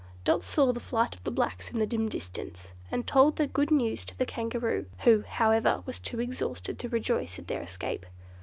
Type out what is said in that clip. Dot saw the flight of the blacks in the dim distance, and told the good news to the Kangaroo, who, however, was too exhausted to rejoice at their escape.